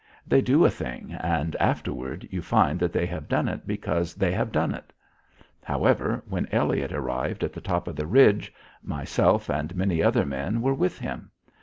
They do a thing, and afterward you find that they have done it because they have done it. However, when Elliott arrived at the top of the ridge, myself and many other men were with him.